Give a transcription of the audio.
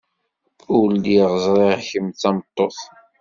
Ur lliɣ ẓriɣ kemm d tameṭṭut.